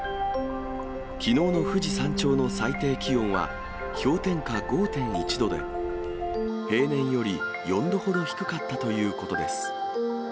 きのうの富士山頂の最低気温は氷点下５．１度で、平年より４度ほど低かったということです。